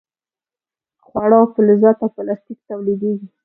خواړه او فلزات او پلاستیک تولیدیږي.